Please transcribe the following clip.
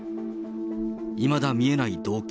いまだ見えない動機。